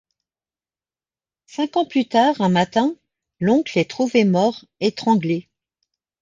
Cinq ans plus tard, un matin, l'oncle est trouvé mort étranglé.